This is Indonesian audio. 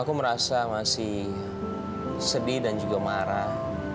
aku merasa masih sedih dan juga marah